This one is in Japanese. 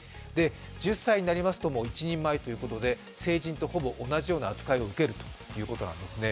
１０歳になりますと一人前ということで成人とほぼ同じような扱いをうけるということなんです。